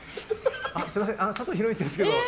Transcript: すみません、佐藤弘道ですけど。